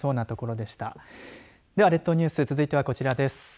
では列島ニュース続いてはこちらです。